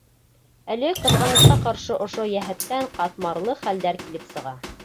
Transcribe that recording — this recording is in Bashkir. Әле, ҡыҙғанысҡа ҡаршы, ошо йәһәттән ҡатмарлы хәлдәр килеп сыға.